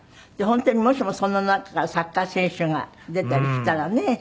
本当にもしもその中からサッカー選手が出たりしたらね。